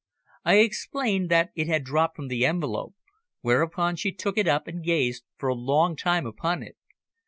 I explained that it had dropped from the envelope, whereupon she took it up and gazed, for a long time upon it.